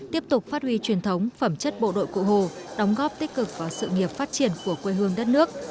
tiếp tục phát huy truyền thống phẩm chất bộ đội cụ hồ đóng góp tích cực vào sự nghiệp phát triển của quê hương đất nước